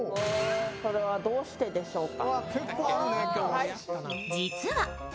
それはどうしてでしょうか。